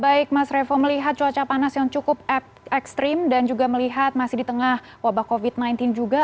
baik mas revo melihat cuaca panas yang cukup ekstrim dan juga melihat masih di tengah wabah covid sembilan belas juga